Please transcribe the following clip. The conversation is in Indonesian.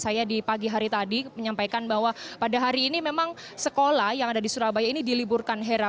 saya di pagi hari tadi menyampaikan bahwa pada hari ini memang sekolah yang ada di surabaya ini diliburkan hera